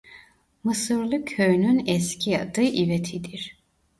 Mısırlı köyünün eski adı İveti'dir.